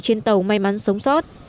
trên tàu may mắn sống sót